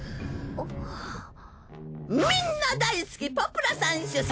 みんな大好きポプラさん主催！